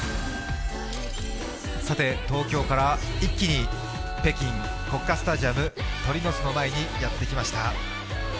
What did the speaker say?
東京から一気に北京、国家スタジアム、鳥の巣の前にやってきました。